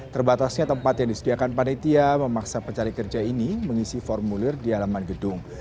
terbatasnya tempat yang disediakan panitia memaksa pencari kerja ini mengisi formulir di halaman gedung